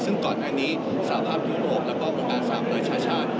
ซึ่งก่อนอันนี้สภาพธุรกษ์และก็โรงการสร้างประชาชา